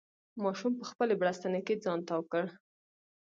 ماشوم په خپلې بړستنې کې ځان تاو کړ.